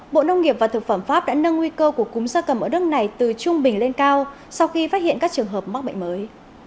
bộ nông nghiệp và thực phẩm pháp đã nâng nguy cơ của cúm gia cầm ở đất này từ trung bình lên cao sau khi phát hiện các trường hợp mắc bệnh mới